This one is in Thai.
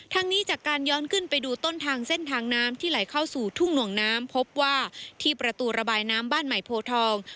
นี้จากการย้อนขึ้นไปดูต้นทางเส้นทางน้ำที่ไหลเข้าสู่ทุ่งหน่วงน้ำพบว่าที่ประตูระบายน้ำบ้านใหม่โพทอง